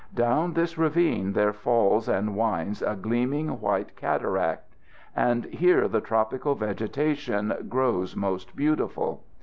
Down this ravine there falls and winds a gleaming white cataract, and here the tropical vegetation grows most beautiful.